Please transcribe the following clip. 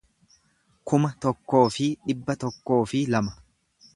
kuma tokkoo fi dhibba tokkoo fi lama